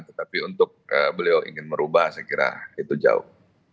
tetapi untuk beliau ingin merubah saya kira itu jauh